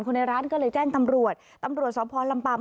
ในร้านก็เลยแจ้งตำรวจตำรวจสพลำปัม